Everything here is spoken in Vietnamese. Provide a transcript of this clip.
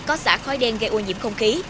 có xã khói đen gây ô nhiễm không khí